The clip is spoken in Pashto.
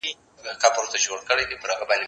زه بايد پوښتنه وکړم!.